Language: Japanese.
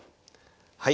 はい。